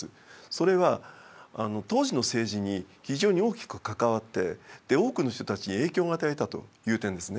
それは当時の政治に非常に大きく関わって多くの人たちに影響を与えたという点ですね。